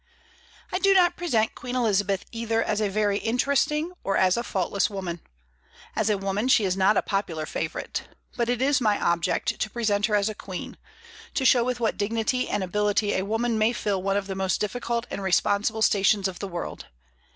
I do not present Queen Elizabeth either as a very interesting or as a faultless woman. As a woman she is not a popular favorite. But it is my object to present her as a queen; to show with what dignity and ability a woman may fill one of the most difficult and responsible stations of the world.